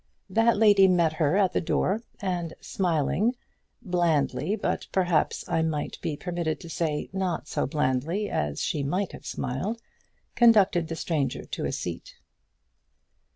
That lady met her at the door, and smiling blandly, but, perhaps I might be permitted to say, not so blandly as she might have smiled conducted the stranger to a seat.